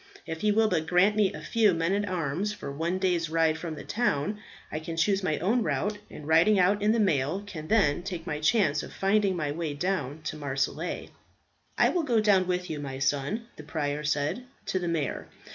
If he will but grant me a few men at arms for one day's ride from the town, I can choose my own route, and riding out in mail can then take my chance of finding my way down to Marseilles." "I will go down with you, my son," the prior said, "to the mayor.